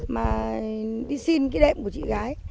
mà đi xin cái đệm của chị gái